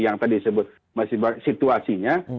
yang tadi disebut situasinya